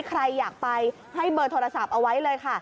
ใครอยากไปให้เบอร์โทรศัพท์เอาไว้เลยค่ะ